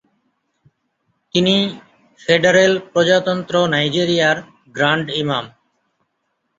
তিনি ফেডারেল প্রজাতন্ত্র নাইজেরিয়ার গ্র্যান্ড ইমাম।